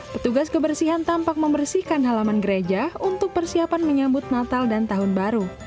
petugas kebersihan tampak membersihkan halaman gereja untuk persiapan menyambut natal dan tahun baru